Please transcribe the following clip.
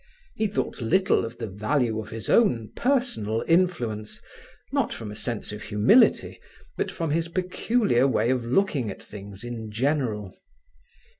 He thought little of the value of his own personal influence, not from a sense of humility, but from his peculiar way of looking at things in general.